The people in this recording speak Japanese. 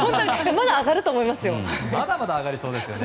まだ上がると思いますよ。